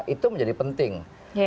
itu menjadi penting